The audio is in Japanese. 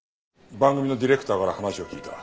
番組のディレクターから話を聞いた。